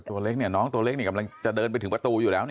ตัวเล็กน้องตัวเล็กนี่กำลังจะเดินไปถึงประตูอยู่แล้ว